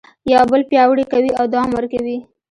یو بل پیاوړي کوي او دوام ورکوي.